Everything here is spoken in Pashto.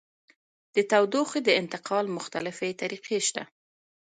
د تودوخې د انتقال مختلفې طریقې شته.